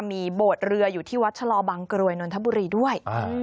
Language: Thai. มีโบสถ์เรืออยู่ที่วัดชะลอบางกรวยนนทบุรีด้วย